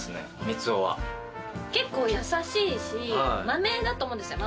満男は結構優しいしマメだと思うんですよ